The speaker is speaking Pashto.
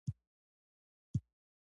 ښکاري چې د موټر چلوونکی څوکۍ خالي ده.